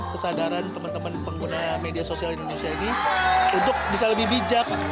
kesadaran teman teman pengguna media sosial indonesia ini untuk bisa lebih bijak